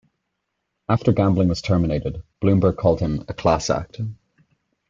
After Gambling was terminated, Bloomberg called him "a class act".